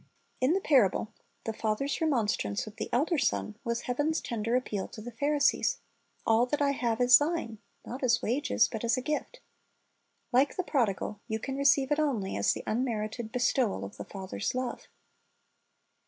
In the parable the father's remonstrance with the elder son was Heaven's tender appeal to the Pharisees. "All that 210 Chi'i s t's bj c ct Lessons I have is thine," — not as wages, but as a gift. Like the prodigal, you can receive it only as the unmerited bestowal of the Father's love.